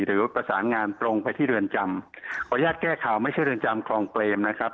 หรือประสานงานตรงไปที่เรือนจำขออนุญาตแก้ข่าวไม่ใช่เรือนจำคลองเปรมนะครับ